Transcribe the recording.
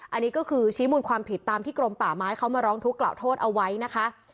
อันนี้ก็คือชี้มูลความผิดตามที่กรมป่าไม้เขามาร้องทุกข์กล่าวโทษเอาไว้นะคะ